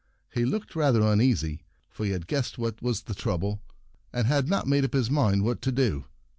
He looked rather uneasy, for he had guessed what was the trouble, and had not made up his mind what to do.